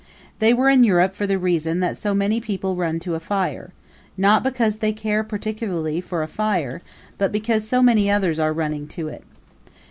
They were in Europe for the reason that so many people run to a fire: not because they care particularly for a fire but because so many others are running to it.